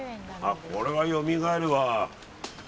これはよみがえるわ。